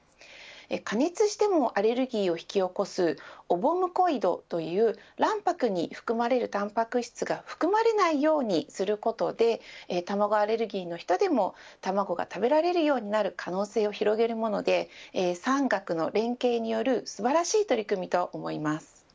加熱してもアレルギーを引き起こすオボムコイドという卵白に含まれるタンパク質が含まれないようにすることで卵アレルギーの人でも卵が食べられるようになる可能性を広げるもので産学の連携による素晴らしい取り組みと思います。